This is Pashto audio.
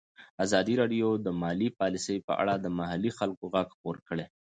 ازادي راډیو د مالي پالیسي په اړه د محلي خلکو غږ خپور کړی.